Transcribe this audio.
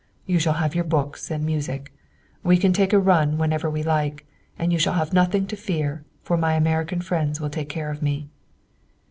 "You shall have your books and music; we can take a run whenever we like, and you shall have nothing to fear, for my American friends will take care of me."